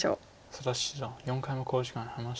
佐田七段４回目の考慮時間に入りました。